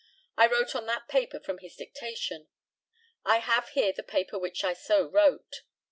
I wrote on that paper from his dictation. I have here the paper which I so wrote.